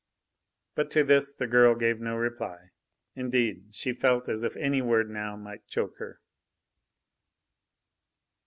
But to this the girl gave no reply. Indeed, she felt as if any word now might choke her.